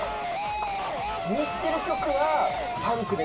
気に入ってる曲は。